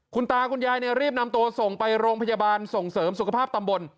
คุณตาคุณยายรีบนำตัวส่งไปโรงพยาบาลส่งเสริมสุขภาพตำบล